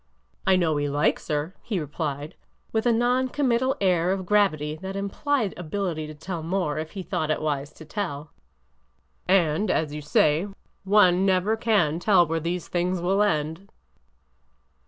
I know he likes her," he replied, with a non commit tal air of gravity that implied ability to tell more if he thought it wise to tell ;'' and, as you say, one never can tell where these things will end."